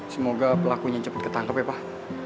semoga pelakunya cepat ketangkep ya pak